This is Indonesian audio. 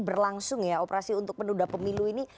berlangsung ya operasi untuk penunda pemilu ini